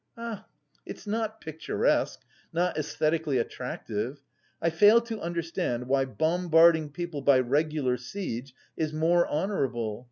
"Ah, it's not picturesque, not æsthetically attractive! I fail to understand why bombarding people by regular siege is more honourable.